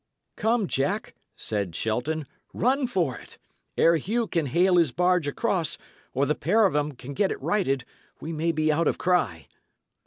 "Come, Jack," said Shelton, "run for it! Ere Hugh can hale his barge across, or the pair of 'em can get it righted, we may be out of cry."